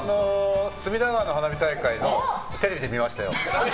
隅田川の花火大会テレビで見ましたよ。